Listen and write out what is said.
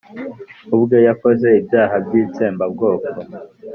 ubwe yakoze ibyaha by'itsembabwoko.